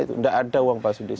tidak ada uang palsu di sini